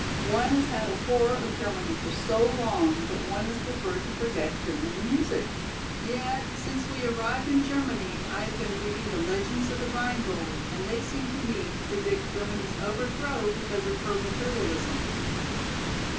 One has had a horror of Germany for so long that one has preferred to forget German music. Yet since we arrived in Germany I have been reading the legends of the Rheingold and they seem to me to predict Germany's overthrow because of her materialism.